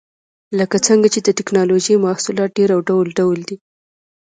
لکه څنګه چې د ټېکنالوجۍ محصولات ډېر او ډول ډول دي.